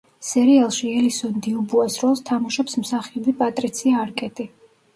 სერიალში ელისონ დიუბუას როლს თამაშობს მსახიობი პატრიცია არკეტი.